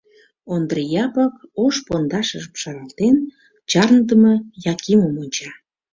Ондри Япык, ош пондашыжым шаралтен, чарныдыме Якимым онча.